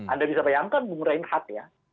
anda bisa bayangkan mengurangi hat ya